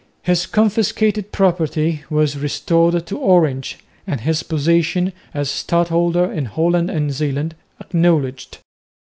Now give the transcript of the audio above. His confiscated property was restored to Orange, and his position, as stadholder in Holland and Zeeland, acknowledged.